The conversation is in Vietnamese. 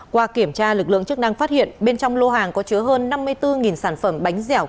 qua kiểm tra lực lượng chức năng phát hiện bên trong lô hàng có chứa hơn năm mươi bốn sản phẩm bánh dẻo